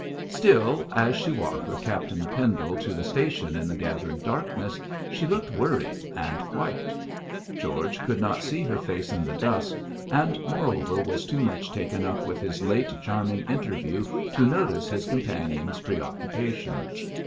Still, as she walked with Captain Pendle to the station in the gathering darkness, she looked worried and white. George could not see her face in the dusk, and moreover was too much taken up with his late charming interview to notice his companion's preoccupation.